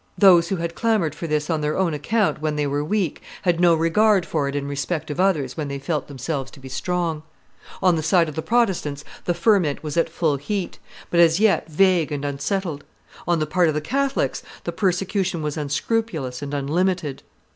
Those who had clamored for this on their own account when they were weak had no regard for it in respect of others when they felt themselves to be strong. On the side of the Protestants the ferment was at full heat, but as yet vague and unsettled; on the part of the Catholics the persecution was unscrupulous and unlimited.